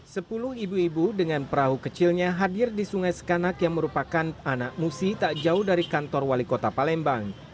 sepuluh ibu ibu dengan perahu kecilnya hadir di sungai sekanak yang merupakan anak musi tak jauh dari kantor wali kota palembang